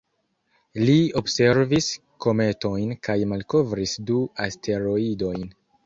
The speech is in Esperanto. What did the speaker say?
Li observis kometojn kaj malkovris du asteroidojn.